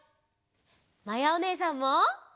まやおねえさんも！